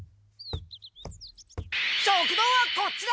食堂はこっちだ！